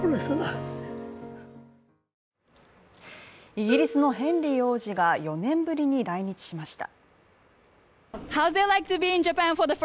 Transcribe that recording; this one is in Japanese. イギリスのヘンリー王子が４年ぶりに来日しました。